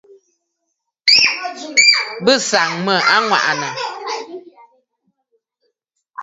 Bɨ sàŋ mə aŋwàʼànə̀.